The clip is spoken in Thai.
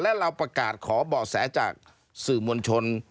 และเราประกาศขอเบาะแสจากสื่อมวลชน